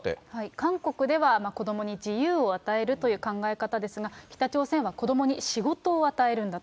韓国では、子どもに自由を与えるという考え方ですが、北朝鮮は子どもに仕事を与えるんだと。